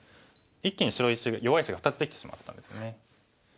一気に白石弱い石が２つできてしまったんですね。